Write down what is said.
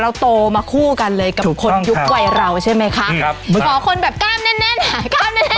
โตมาคู่กันเลยกับคนยุควัยเราใช่ไหมคะครับขอคนแบบกล้ามแน่นแน่นหายกล้ามแน่น